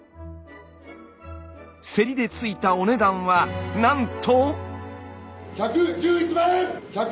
競りで付いたお値段はなんと！